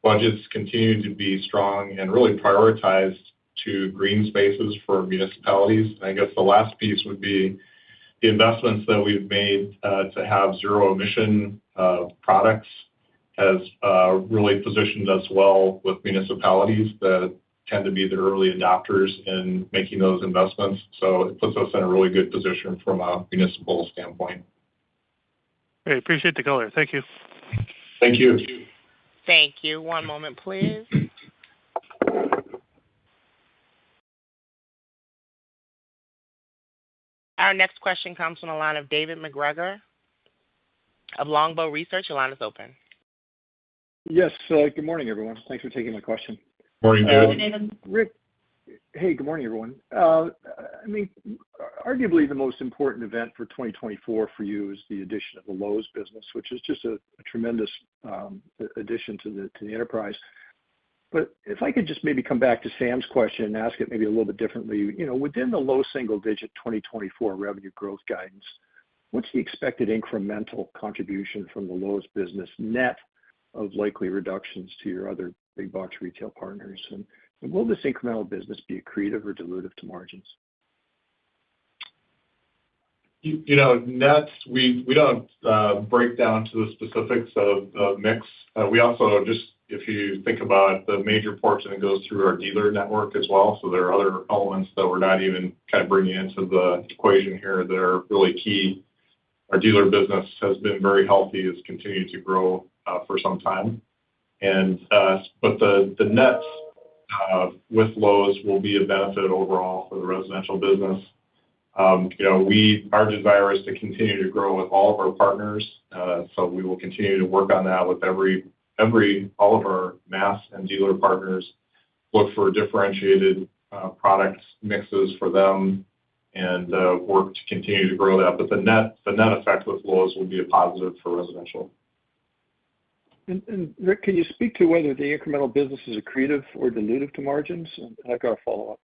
Budgets continue to be strong and really prioritized to green spaces for municipalities. I guess the last piece would be the investments that we've made to have zero emission products has really positioned us well with municipalities that tend to be the early adopters in making those investments. So it puts us in a really good position from a municipal standpoint. I appreciate the color. Thank you. Thank you. Thank you. One moment, please. Our next question comes from the line of David MacGregor of Longbow Research. Your line is open. Yes, good morning, everyone. Thanks for taking my question. Morning, David. Good morning, David. Rick. Hey, good morning, everyone. I mean, arguably the most important event for 2024 for you is the addition of the Lowe's business, which is just a tremendous addition to the enterprise. But if I could just maybe come back to Sam's question and ask it maybe a little bit differently, you know, within the low single-digit 2024 revenue growth guidance, what's the expected incremental contribution from the Lowe's business net of likely reductions to your other big box retail partners? And will this incremental business be accretive or dilutive to margins? You know, we don't break down to the specifics of mix. We also just, if you think about the major portion that goes through our dealer network as well, so there are other elements that we're not even kind of bringing into the equation here that are really key. Our dealer business has been very healthy, it's continued to grow for some time. But the net with Lowe's will be a benefit overall for the residential business. You know, our desire is to continue to grow with all of our partners, so we will continue to work on that with every all of our mass and dealer partners, look for differentiated product mixes for them, and work to continue to grow that. The net, the net effect with Lowe's would be a positive for residential. Rick, can you speak to whether the incremental business is accretive or dilutive to margins? And I've got a follow-up.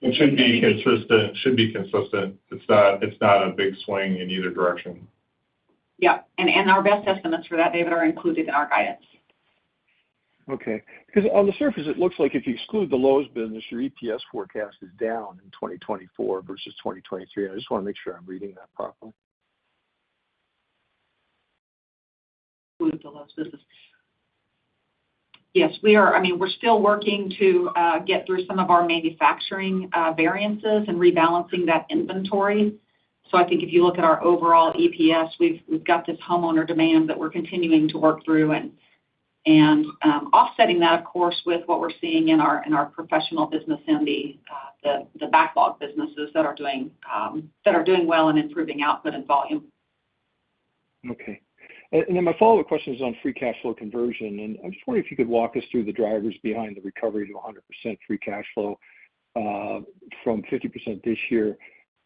It should be consistent. It should be consistent. It's not, it's not a big swing in either direction. Yeah, and our best estimates for that, David, are included in our guidance. Okay, because on the surface, it looks like if you exclude the Lowe's business, your EPS forecast is down in 2024 versus 2023. I just want to make sure I'm reading that properly. With the Lowe's business. Yes, we are. I mean, we're still working to get through some of our manufacturing variances and rebalancing that inventory. So I think if you look at our overall EPS, we've got this homeowner demand that we're continuing to work through. And offsetting that, of course, with what we're seeing in our professional business and the backlog businesses that are doing well and improving output and volume. Okay. Then my follow-up question is on free cash flow conversion, and I just wonder if you could walk us through the drivers behind the recovery to 100% free cash flow from 50% this year.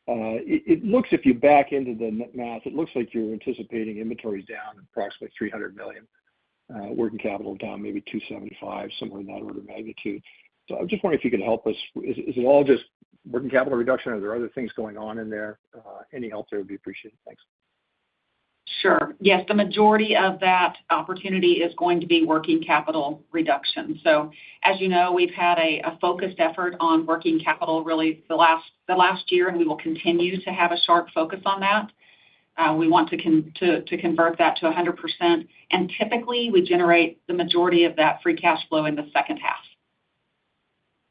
It looks, if you back into the math, like you're anticipating inventory down approximately $300 million, working capital down maybe $275 million, somewhere in that order of magnitude. So I just wonder if you could help us. Is it all just working capital reduction, or are there other things going on in there? Any help there would be appreciated. Thanks. Sure. Yes, the majority of that opportunity is going to be working capital reduction. So, as you know, we've had a focused effort on working capital, really, the last year, and we will continue to have a sharp focus on that. We want to convert that to 100%, and typically, we generate the majority of that free cash flow in the second half.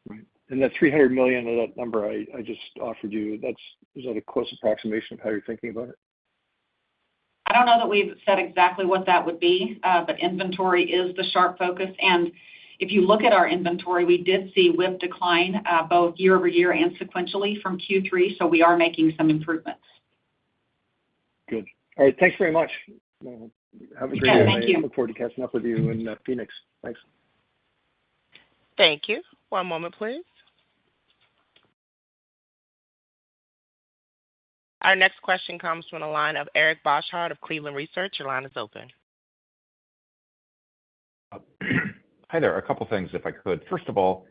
Right. And that $300 million, that number I, I just offered you, that's—is that a close approximation of how you're thinking about it? I don't know that we've said exactly what that would be, but inventory is the sharp focus. If you look at our inventory, we did see WIP decline, both year-over-year and sequentially from Q3, so we are making some improvements. Good. All right, thanks very much. Yeah, thank you. Have a great day. I look forward to catching up with you in Phoenix. Thanks. Thank you. One moment, please. Our next question comes from the line of Eric Bosshard of Cleveland Research. Your line is open. Hi there. A couple things, if I could. First of all,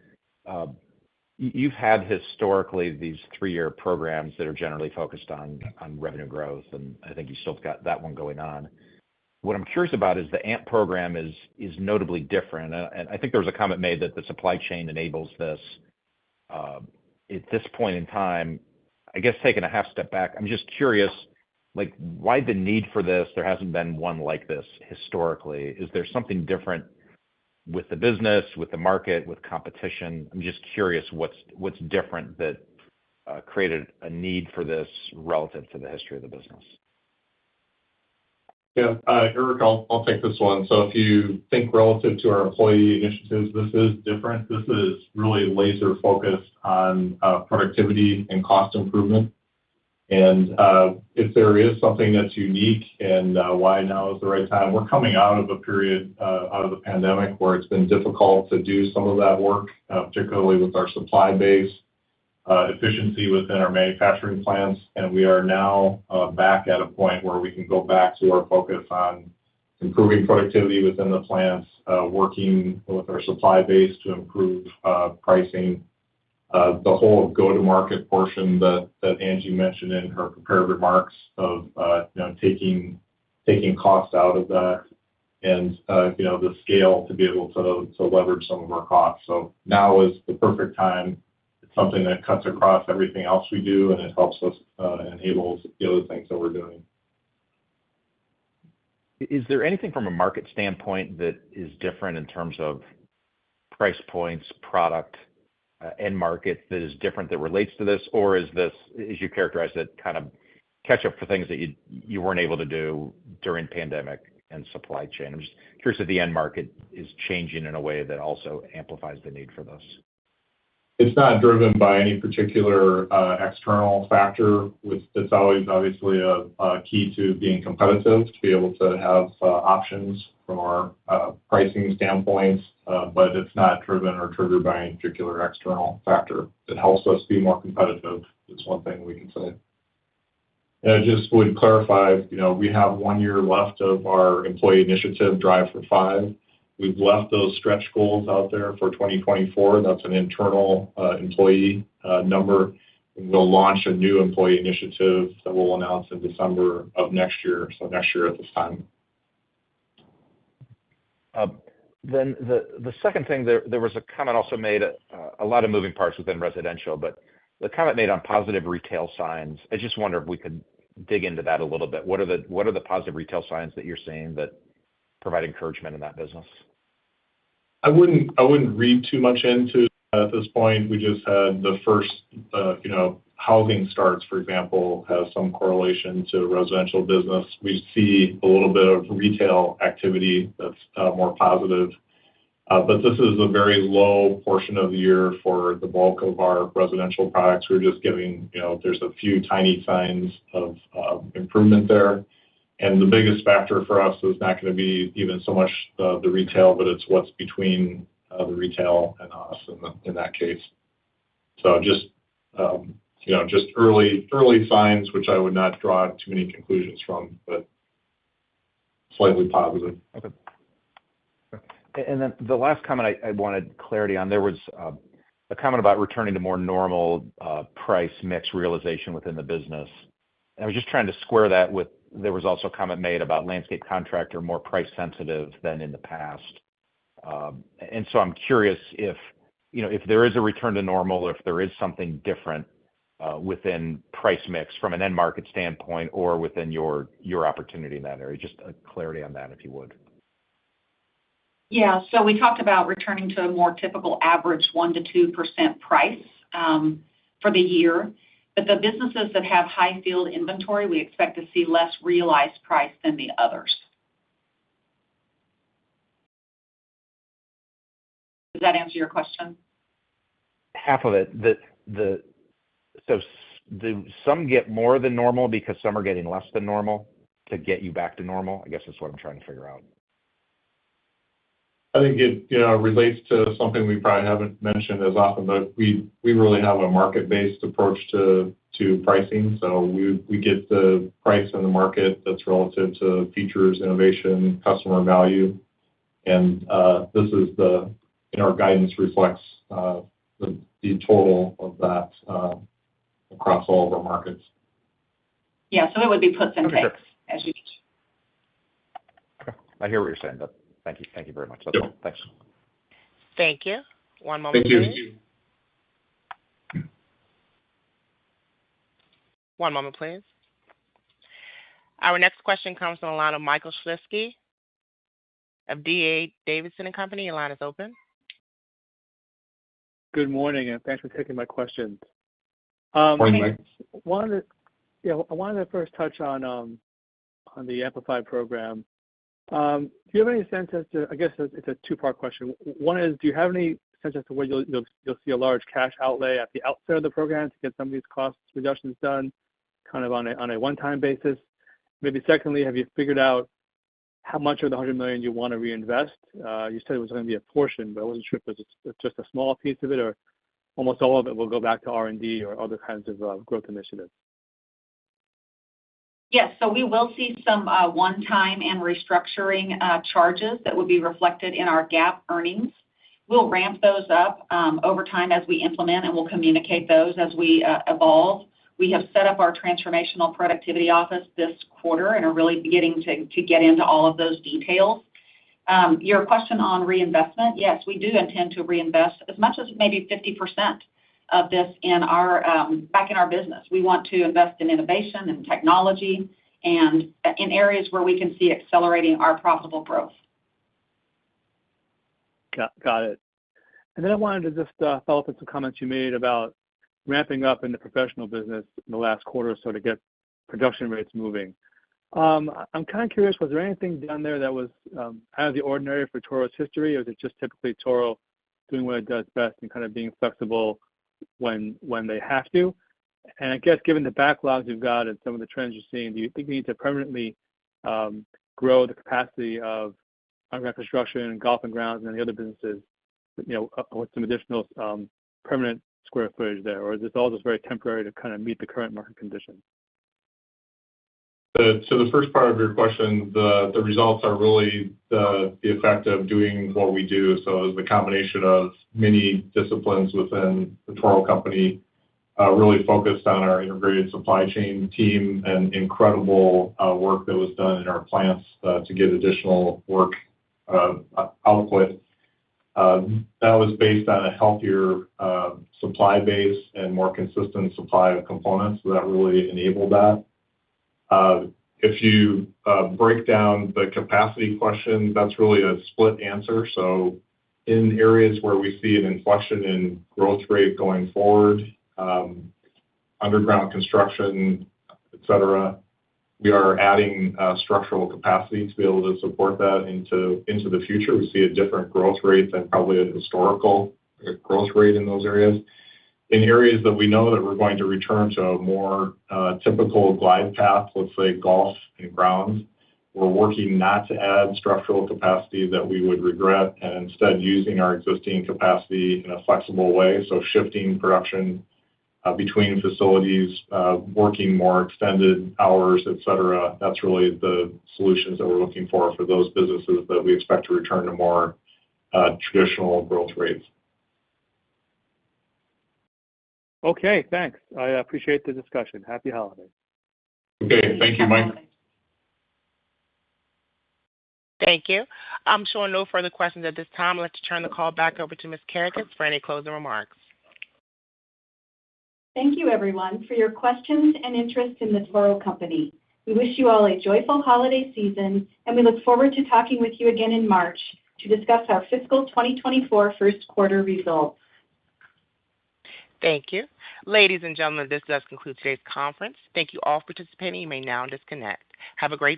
you've had historically these three-year programs that are generally focused on revenue growth, and I think you've still got that one going on. What I'm curious about is the AMP program is notably different, and I think there was a comment made that the supply chain enables this. At this point in time, I guess, taking a half step back, I'm just curious, like, why the need for this? There hasn't been one like this historically. Is there something different with the business, with the market, with competition? I'm just curious, what's different that created a need for this relative to the history of the business? Yeah, Eric, I'll take this one. So if you think relative to our employee initiatives, this is different. This is really laser-focused on productivity and cost improvement. And if there is something that's unique and why now is the right time, we're coming out of a period out of the pandemic, where it's been difficult to do some of that work, particularly with our supply base, efficiency within our manufacturing plants. And we are now back at a point where we can go back to our focus on improving productivity within the plants, working with our supply base to improve pricing. The whole go-to-market portion that Angie mentioned in her prepared remarks of, you know, taking costs out of that and, you know, the scale to be able to leverage some of our costs. So now is the perfect time. It's something that cuts across everything else we do, and it helps us enables the other things that we're doing. Is there anything from a market standpoint that is different in terms of price points, product, end market, that is different that relates to this? Or is this, as you characterized it, kind of catch up for things that you weren't able to do during pandemic and supply chain? I'm just curious if the end market is changing in a way that also amplifies the need for this? It's not driven by any particular external factor. That's always obviously a key to being competitive, to be able to have options from our pricing standpoints, but it's not driven or triggered by any particular external factor. It helps us be more competitive, is one thing we can say. I just would clarify, you know, we have one year left of our employee initiative, Drive for Five. We've left those stretch goals out there for 2024. That's an internal employee number. We'll launch a new employee initiative that we'll announce in December of next year, so next year at this time. Then the second thing, there was a comment also made, a lot of moving parts within residential, but the comment made on positive retail signs. I just wonder if we could dig into that a little bit. What are the positive retail signs that you're seeing that provide encouragement in that business? I wouldn't, I wouldn't read too much into at this point. We just had the first, you know, housing starts, for example, has some correlation to residential business. We see a little bit of retail activity that's more positive. But this is a very low portion of the year for the bulk of our residential products. We're just getting, you know, there's a few tiny signs of improvement there. The biggest factor for us is not gonna be even so much the retail, but it's what's between the retail and us in the, in that case. So just, you know, just early, early signs, which I would not draw too many conclusions from, but slightly positive. Okay. Then the last comment I wanted clarity on, there was a comment about returning to more normal price mix realization within the business. I was just trying to square that with. There was also a comment made about landscape contractor more price sensitive than in the past. And so I'm curious if, you know, if there is a return to normal or if there is something different within price mix from an end market standpoint or within your opportunity in that area. Just a clarity on that, if you would. Yeah. So we talked about returning to a more typical average 1%-2% price for the year, but the businesses that have high field inventory, we expect to see less realized price than the others. Does that answer your question? Half of it. So do some get more than normal because some are getting less than normal to get you back to normal? I guess that's what I'm trying to figure out. I think it relates to something we probably haven't mentioned as often, but we really have a market-based approach to pricing. So we get the price in the market that's relative to features, innovation, customer value, and our guidance reflects the total of that across all of our markets. Yeah. So it would be puts and takes, as you. Okay. I hear what you're saying, but thank you. Thank you very much. Yep. Thanks. Thank you. One moment, please. Thank you. One moment, please. Our next question comes from the line of Michael Shlisky of D.A. Davidson & Co. Your line is open. Good morning, and thanks for taking my questions. Morning, Mike. Yeah, I wanted to first touch on the AMP program. Do you have any sense as to—I guess it's a two-part question. One is, do you have any sense as to whether you'll see a large cash outlay at the outset of the program to get some of these cost reductions done, kind of on a one-time basis? Maybe secondly, have you figured out how much of the $100 million you want to reinvest? You said it was gonna be a portion, but I wasn't sure if it was just a small piece of it or almost all of it will go back to R&D or other kinds of growth initiatives. Yes. So we will see some one-time and restructuring charges that will be reflected in our GAAP earnings. We'll ramp those up over time as we implement, and we'll communicate those as we evolve. We have set up our Transformational Productivity Office this quarter and are really beginning to get into all of those details. Your question on reinvestment, yes, we do intend to reinvest as much as maybe 50% of this in our back in our business. We want to invest in innovation and technology and in areas where we can see accelerating our profitable growth. Got it. And then I wanted to just follow up with some comments you made about ramping up in the professional business in the last quarter, so to get production rates moving. I'm kind of curious, was there anything done there that was out of the ordinary for Toro's history? Or is it just typically Toro doing what it does best and kind of being flexible when they have to? And I guess given the backlogs you've got and some of the trends you're seeing, do you think you need to permanently grow the capacity of underground construction, golf and grounds, and the other businesses, you know, with some additional permanent square footage there? Or is this all just very temporary to kind of meet the current market conditions? So the first part of your question, the results are really the effect of doing what we do. So it was a combination of many disciplines within the Toro Company, really focused on our integrated supply chain team and incredible work that was done in our plants to get additional work output. That was based on a healthier supply base and more consistent supply of components that really enabled that. If you break down the capacity question, that's really a split answer. So in areas where we see an inflection in growth rate going forward, underground construction, etc., we are adding structural capacity to be able to support that into the future. We see a different growth rate than probably a historical growth rate in those areas. In areas that we know that we're going to return to a more typical glide path, let's say, golf and grounds, we're working not to add structural capacity that we would regret, and instead using our existing capacity in a flexible way. So shifting production between facilities, working more extended hours, etc.. That's really the solutions that we're looking for for those businesses that we expect to return to more traditional growth rates. Okay, thanks. I appreciate the discussion. Happy holidays. Okay. Thank you, Mike. Happy holidays. Thank you. I'm showing no further questions at this time. I'd like to turn the call back over to Ms. Kerekes for any closing remarks. Thank you, everyone, for your questions and interest in The Toro Company. We wish you all a joyful holiday season, and we look forward to talking with you again in March to discuss our fiscal 2024 first quarter results. Thank you. Ladies and gentlemen, this does conclude today's conference. Thank you all for participating. You may now disconnect. Have a great day.